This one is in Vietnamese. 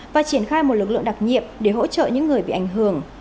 và triển khai một lực lượng đặc nhiệm để hỗ trợ những người bị ảnh hưởng